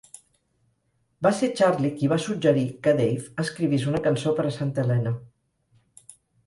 Va ser Charlie qui va suggerir que Dave escrivís una cançó per a Santa Helena.